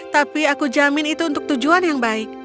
tapi aku jamin itu untuk tujuan yang baik